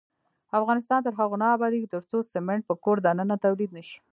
افغانستان تر هغو نه ابادیږي، ترڅو سمنټ په کور دننه تولید نشي.